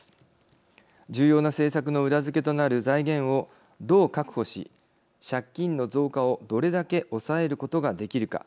重要な政策の裏付けとなる財源をどう確保し借金の増加をどれだけ抑えることができるか。